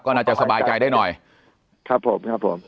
ก็น่าจะสบายใจได้หน่อยครับผมครับผม